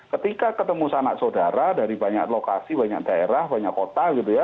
ketika ketemu sanak saudara dari banyak lokasi banyak daerah banyak kota gitu ya